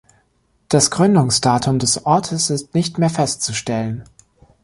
Das Gründungsdatum des Ortes ist nicht mehr festzustellen.